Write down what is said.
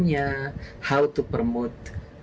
bagaimana mengatur perusahaan